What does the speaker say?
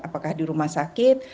apakah di rumah sakit